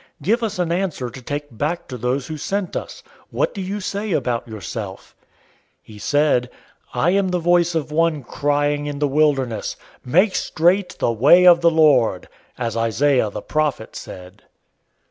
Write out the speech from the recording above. Give us an answer to take back to those who sent us. What do you say about yourself?" 001:023 He said, "I am the voice of one crying in the wilderness, 'Make straight the way of the Lord,'{Isaiah 40:3} as Isaiah the prophet said."